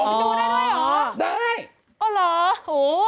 ดูได้ด้วยหรอได้อ๋อเหรอโอ้โธ